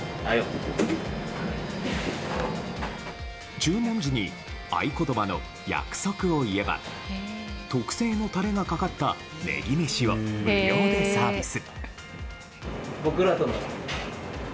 注文時に合言葉の「約束」を言えば特製のタレがかかったねぎメシを無料でサービス。